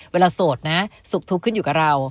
โสดนะสุขทุกข์ขึ้นอยู่กับเรา